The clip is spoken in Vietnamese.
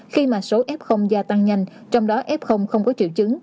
khi mà số f gia tăng nhanh trong đó f không có triệu chứng